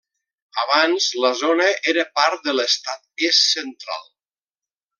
Abans la zona era part de l'estat Est-Central.